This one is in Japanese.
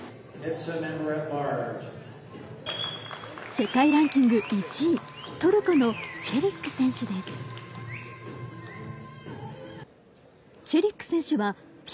世界ランキング１位トルコのチェリック選手です。